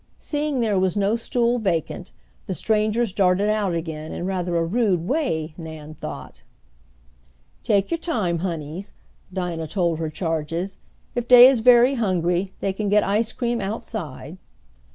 Seeing there was no stool vacant the strangers darted out again in rather a rude way, Nan thought. "Take you time, honeys," Dinah told her charges. "If dey is very hungry dey can get ice cream outside."